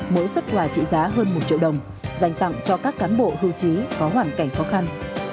mỗi xuất quà trị giá hơn một triệu đồng dành tặng cho các cán bộ hưu trí có hoàn cảnh khó khăn